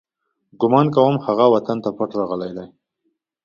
ګمان کوم، هغه وطن ته پټ راغلی دی.